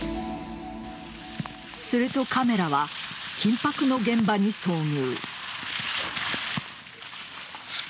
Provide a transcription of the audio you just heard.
するとカメラは緊迫の現場に遭遇。